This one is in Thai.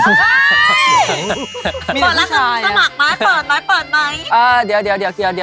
ฉันสมัครไปเปิด